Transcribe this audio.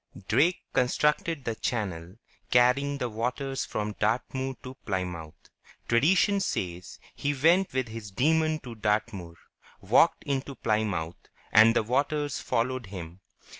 Drake constructed the channel, carrying the waters from Dartmoor to Plymouth. Tradition says he went with his demon to Dartmoor, walked into Plymouth, and the waters followed him.